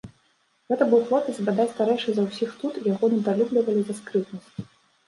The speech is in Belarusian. Гэта быў хлопец бадай старэйшы за ўсіх тут, яго недалюблівалі за скрытнасць.